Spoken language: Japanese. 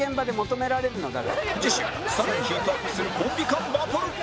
次週更にヒートアップするコンビ間バトル